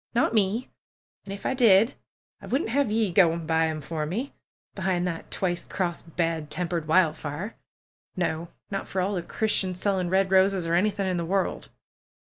Not me ! And if I did, I wouldn't have ye go an' buy 'em for me, behind that twice crossed, bad tempered Wildfire! No! Not for all the Christians selling red roses or anything in the world!"